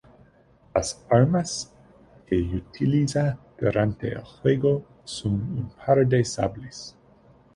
Las armas que utiliza durante el juego son un par de sables.